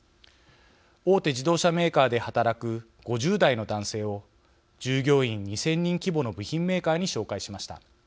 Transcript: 大手自動車メーカーで働く５０代の男性を従業員２，０００人規模の部品メーカーに紹介しました。